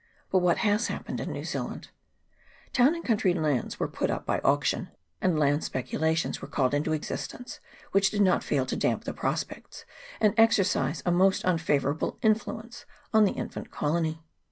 But what has happened in New Zealand ? Town and country lands were put up by auction, and land speculations were called into existence, which did not fail to damp the prospects, and exercise a most un favourable influence on the infant colony.